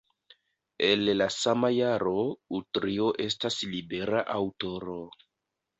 El la sama jaro Utrio estas libera aŭtoro.